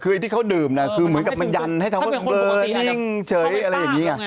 คือไอ้ที่เขาดื่มคือเหมือนกับมันยันให้คำว่าเบลอยนั่งเฉยอะไรอย่างนี้ไง